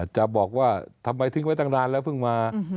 จะบอกว่าทำไมทิ้งไว้ตั้งนานแล้วเพิ่งมา